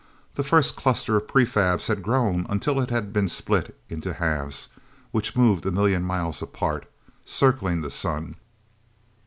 The first cluster of prefabs had grown until it had been split into halves, which moved a million miles apart, circling the sun.